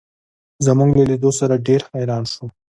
زموږ له لیدو سره ډېر حیران شو.